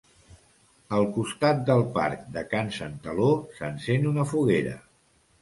Al costat del Parc de Can Santaló s'encén una foguera.